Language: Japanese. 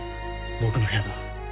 僕の部屋だ。